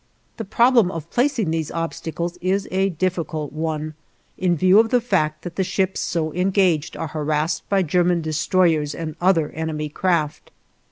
The problem of placing these obstacles is a difficult one, in view of the fact that the ships so engaged are harassed by German destroyers and other enemy craft.